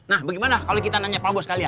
nah bagaimana kalau kita nanya pak bos kali ya